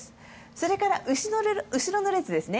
それから、後ろの列ですね。